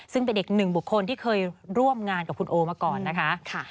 ซึ่งเป็นอีกหนึ่งบุคคลที่เคยร่วมงานกับคุณโอมาก่อนนะคะ